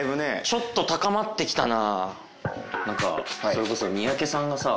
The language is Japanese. ちょっと高まってきたな。